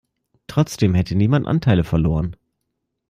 Trotzdem hätte niemand Anteile verloren.